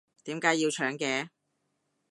點解要搶嘅？